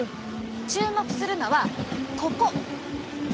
注目するのはここ。